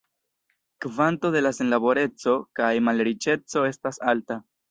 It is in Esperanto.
Kvanto de la senlaboreco kaj malriĉeco estas alta.